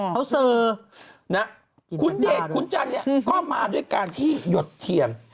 เขาสื่อนะคุณเดชขุนจันทร์เนี่ยก็มาด้วยการที่หยดเทียม